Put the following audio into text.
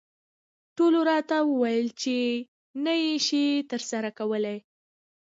ټولو راته وویل چې نه یې شې ترلاسه کولای.